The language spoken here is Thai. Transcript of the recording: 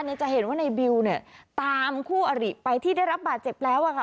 จะเห็นว่าในบิวเนี่ยตามคู่อริไปที่ได้รับบาดเจ็บแล้วอะค่ะ